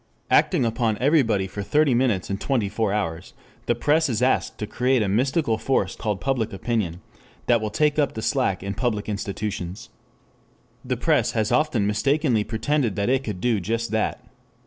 Acting upon everybody for thirty minutes in twenty four hours, the press is asked to create a mystical force called Public Opinion that will take up the slack in public institutions. The press has often mistakenly pretended that it could do just that.